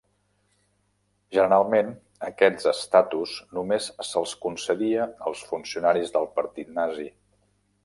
Generalment, aquests estatus només se'l concedia als funcionaris del partit Nazi.